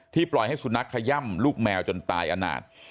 ปล่อยให้สุนัขขย่ำลูกแมวจนตายอนาจ